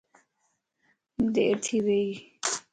ديرٿي ويئي